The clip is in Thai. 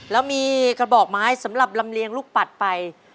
แล้วมีกระบอกไม้สำหรับลำเลียงลูกปัดไป